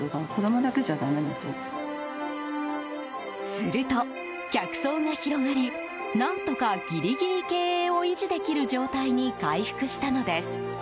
すると、客層が広がり何とかギリギリ経営を維持できる状態に回復したのです。